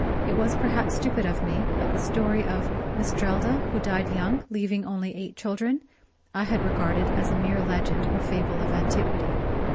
It was perhaps stupid of me, but the story of Mistrelde, who died young, leaving only eight children, I had regarded as a mere legend or fable of antiquity.